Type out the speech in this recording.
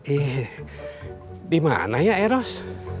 eh dimana ya eros